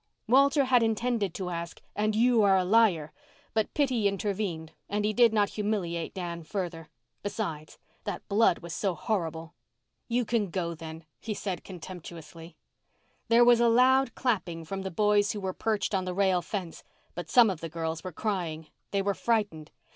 Walter had intended to ask, "And you are a liar?" but pity intervened and he did not humiliate Dan further. Besides, that blood was so horrible. "You can go, then," he said contemptuously. There was a loud clapping from the boys who were perched on the rail fence, but some of the girls were crying. They were frightened.